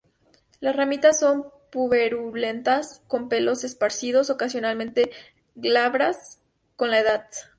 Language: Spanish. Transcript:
Las ramitas son puberulentas con pelos esparcidos, ocasionalmente glabras con la edad.